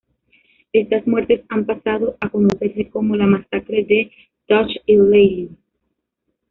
Estas muertes han pasado a conocerse como la Masacre de Dasht-i-Leili.